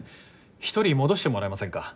１人戻してもらえませんか？